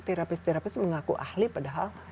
terapi terapi mengaku ahli padahal